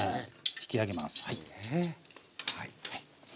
引き上げますはい。